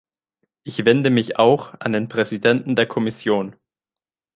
Ich wende mich auch an den Präsidenten der Kommission.